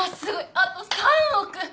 あと３億。